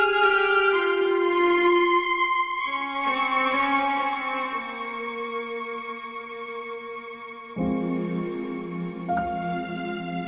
kau mau ngapain